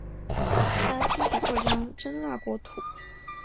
他积极扩张真腊国土。